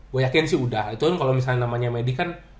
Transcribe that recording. gue yakin sih udah itu kan kalau misalnya namanya medik kan